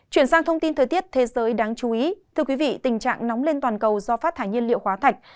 chuyển sang thông tin thời tiết thế giới đáng chú ý tình trạng nóng lên toàn cầu do phát thải nhiên liệu hóa thạch